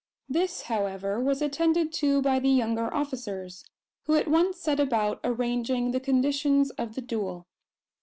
This, however, was attended to by the younger officers; who at once set about arranging the conditions of the duel.